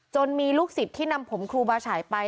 มีลูกศิษย์ที่นำผมครูบาฉายไป